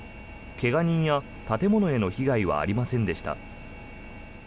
怪我人や建物への被害はありませんでした。